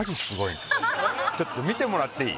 ちょっと見てもらっていい？